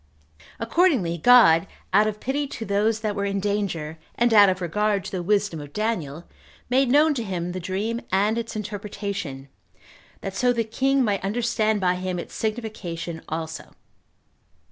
Accordingly, God, out of pity to those that were in danger, and out of regard to the wisdom of Daniel, made known to him the dream and its interpretation, that so the king might understand by him its signification also.